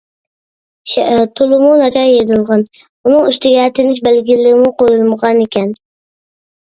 شېئىر تولىمۇ ناچار يېزىلغان، ئۇنىڭ ئۈستىگە تىنىش بەلگىلىرىمۇ قويۇلمىغانىكەن.